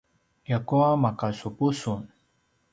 ljakua makasupu sun